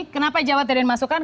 kenapa jawa tidak dimasukkan